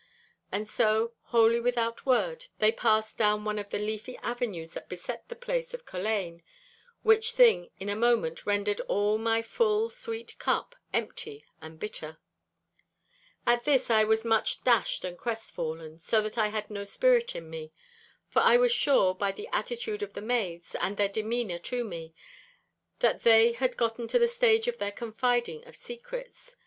And so, wholly without word, they passed down one of the leafy avenues that beset the place of Culzean, which thing in a moment rendered all my full, sweet cup empty and bitter. At this I was much dashed and crestfallen, so that I had no spirit in me. For I was sure, by the attitude of the maids, and their demeanour to me, that they had gotten to the stage of the confiding of secrets.